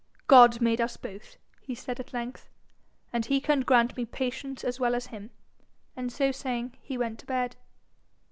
'God made us both,' he said at length, 'and he can grant me patience as well as him.' and so saying he went to bed.